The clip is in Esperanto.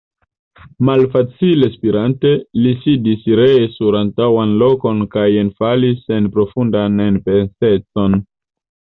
Malfacile spirante, li sidiĝis ree sur antaŭan lokon kaj enfalis en profundan enpensecon.